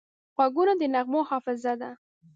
غوږونه د نغمو حافظه ده